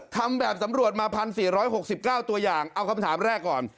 ทำแบบสำรวจมา๑๔๖๙ตัวอย่างเอาคำถามแรกก่อน